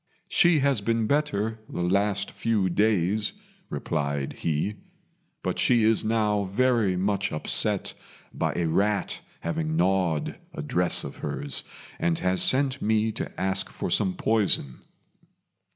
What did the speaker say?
"She has been better the last few days," replied he; "but she is now very much upset by a rat having gnawed a dress of hers, and has sent me to ask for some poison."